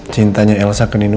cintanya elsa ke nino